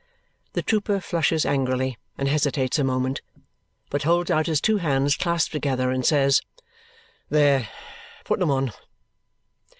The trooper flushes angrily and hesitates a moment, but holds out his two hands, clasped together, and says, "There! Put them on!"